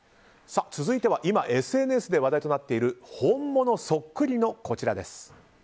続いては今、ＳＮＳで話題となっている本物そっくりのこちらです。